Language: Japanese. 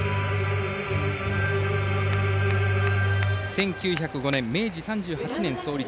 １９０５年明治３８年創立。